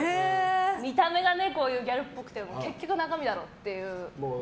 見た目がギャルっぽくても結局中身だろうっていう。